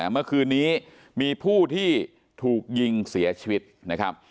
เมื่อคืนนี้มีผู้ที่ถูกยิงเสียชีวิตนะครับ